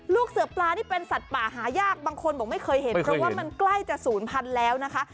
ลูกเสือปลานี่เป็นสัตว์ป่าหายากบางคนบอกไม่เคยเห็นเพราะว่ามันใกล้จะศูนย์พันธุ์แล้วนะคะ